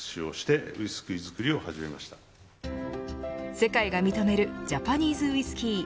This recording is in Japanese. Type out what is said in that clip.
世界が認めるジャパニーズウイスキー。